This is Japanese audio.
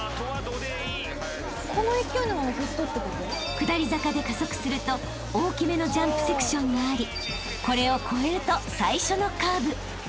［下り坂で加速すると大きめのジャンプセクションがありこれを越えると最初のカーブ］